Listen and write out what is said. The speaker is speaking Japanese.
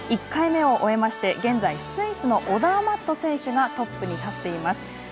１回目を終えまして、現在スイスのオダーマット選手がトップに立っています。